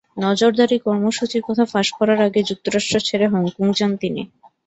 নজরদারি কর্মসূচির কথা ফাঁস করার আগে যুক্তরাষ্ট্র ছেড়ে হংকং যান তিনি।